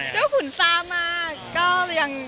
เจ้าขุนซ้ามากก็ยัง